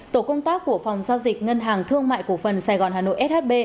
tổ công tác của phòng giao dịch ngân hàng thương mại cổ phần sài gòn hà nội shb